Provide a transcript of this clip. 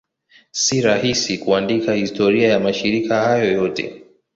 Si rahisi kuandika historia ya mashirika hayo yote.